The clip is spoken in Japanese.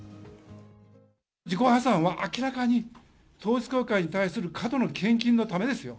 自己破産は明らかに、統一教会に対する過度の献金のためですよ。